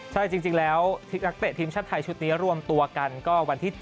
ใช่จริงแล้วนักเตะทีมชาติไทยชุดนี้รวมตัวกันก็วันที่๗